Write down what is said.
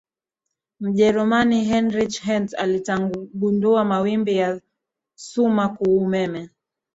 mjerumani heinrich hertz alitagundua mawimbi ya sumakuumeme